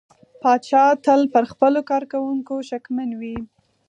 پاچا تل پر خپلو کارکوونکو شکمن وي .